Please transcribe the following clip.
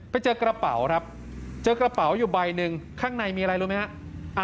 ไปเจอกระเป๋าครับเจอกระเป๋าอยู่ใบหนึ่งข้างในมีอะไรรู้ไหมฮะ